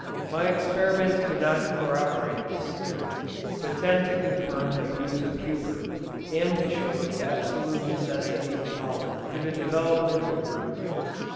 My experiments do not corroborate this theory, but tend to confirm the views of Huber, and to show the absolute necessity of pollen to the development of brood.